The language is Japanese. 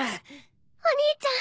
お兄ちゃん。